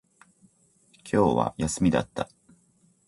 今日は休みだった